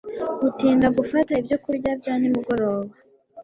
Gutinda gufata ibyokurya bya nimugoroba